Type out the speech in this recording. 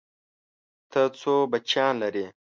ته څو بچيان لرې؟